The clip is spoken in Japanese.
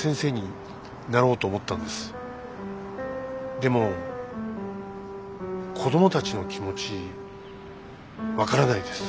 でも子供たちの気持ち分からないです。